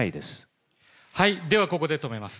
ではここで止めます。